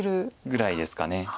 ぐらいですか。